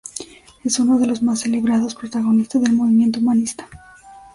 Es uno de los más celebrados protagonistas del movimiento humanista.